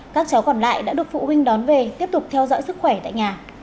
các cháu còn lại đã được phụ huynh đón về tiếp tục theo dõi sức khỏe tại nhà